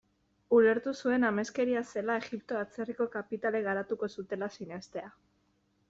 Ulertu zuen ameskeria zela Egipto atzerriko kapitalek garatuko zutela sinestea.